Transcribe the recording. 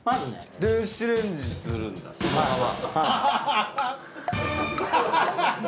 電子レンジするんだそのまま。